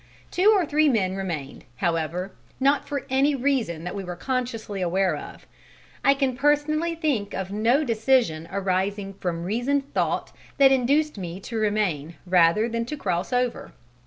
Two or three men remained, However: not for any reason that we were consciously aware of; I can personally think of no decision arising from reasoned thought that induced me to remain rather than to cross over.